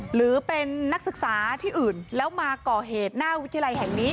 หรือเป็นนักศึกษาที่อื่นแล้วมาก่อเหตุหน้าวิทยาลัยแห่งนี้